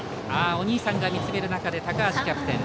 お兄さんが見つめる中で高橋キャプテン。